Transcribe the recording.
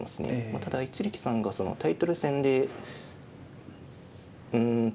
ただ一力さんがタイトル戦で。